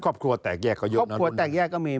ครอบครัวแตกแยกก็มี